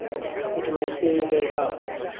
به تهمای سهیری رێژاوه